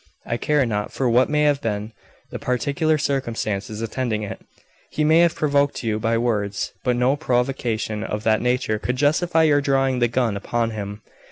I care not for what may have been the particular circumstances attending it; he may have provoked you by words; but no provocation of that nature could justify your drawing the gun upon him.